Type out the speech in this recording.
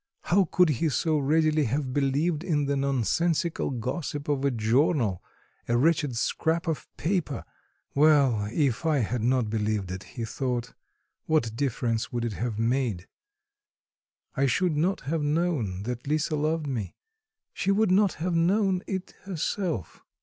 How could he so readily have believed in the nonsensical gossip of a journal, a wretched scrap of paper? "Well, if I had not believed it," he thought, "what difference would it have made? I should not have known that Lisa loved me; she would not have known it herself."